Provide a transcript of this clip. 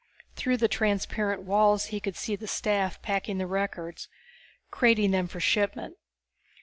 Through the transparent walls he could see the staff packing the records, crating them for shipment.